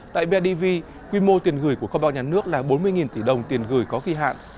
tại bidv quy mô tiền gửi của kho báo nhà nước là bốn mươi tỷ đồng tiền gửi có kỳ hạn